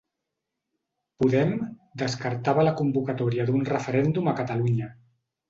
Podem descartava la convocatòria d'un referèndum a Catalunya